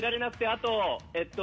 あとえっと。